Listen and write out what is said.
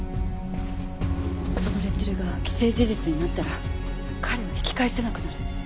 そのレッテルが既成事実になったら彼は引き返せなくなる。